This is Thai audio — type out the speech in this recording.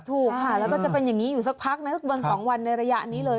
ถูกค่ะแล้วก็จะเป็นอย่างนี้อยู่สักพักนะวันสองวันในระยะนี้เลย